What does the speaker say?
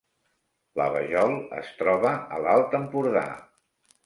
La Vajol es troba a l’Alt Empordà